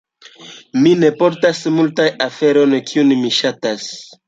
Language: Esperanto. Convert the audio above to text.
Mi ne portas multajn aferojn, kiujn mi ŝatas.